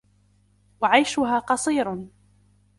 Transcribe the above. وَعَيْشُهَا قَصِيرٌ